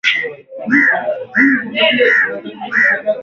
Kulingana na bei zilizotangazwa bei ya petroli na dizeli iliongezeka